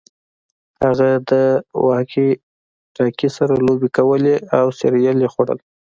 هغه د واکي ټاکي سره لوبې کولې او سیریل یې خوړل